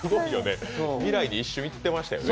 未来に一瞬、行ってましたよね。